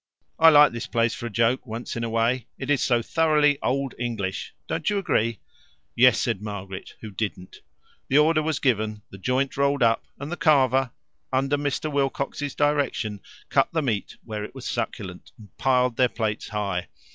I like this place, for a joke, once in a way. It is so thoroughly Old English. Don't you agree?" "Yes," said Margaret, who didn't. The order was given, the joint rolled up, and the carver, under Mr. Wilcox's direction, cut the meat where it was succulent, and piled their plates high.